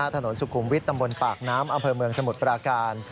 ถนนสุขุมวิทย์ตำบลปากน้ำอำเภอเมืองสมุทรปราการ